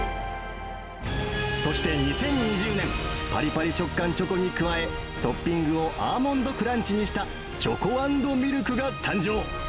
そして２０２０年、ぱりぱり食感チョコに加え、トッピングをアーモンドクランチにしたチョコ＆ミルクが誕生。